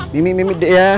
mimik mimik deh ya